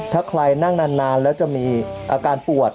ถ้าใครนั่งนานแล้วจะมีอาการปวด